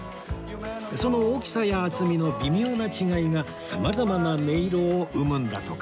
その大きさや厚みの微妙な違いが様々な音色を生むんだとか